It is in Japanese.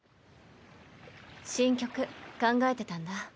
新曲考えてたんだ。